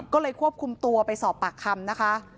ก็เลยควบคุมตัวไปสอบปากคำนะคะ